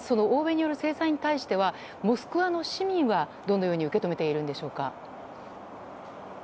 欧米による制裁に対してはモスクワの市民はどのように受け止めているんでしょうか。